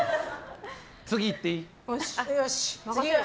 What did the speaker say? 次いっていい？